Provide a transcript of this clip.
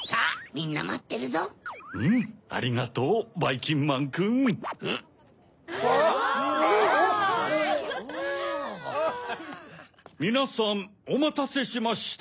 みなさんおまたせしました。